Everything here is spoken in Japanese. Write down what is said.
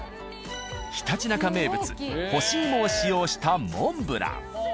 ひたちなか名物干し芋を使用したモンブラン。